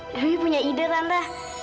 iyawi punya ide tante